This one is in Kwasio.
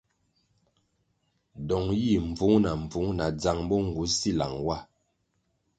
Dong yih mbvung na mbvung na dzang bo nğu si lang wa.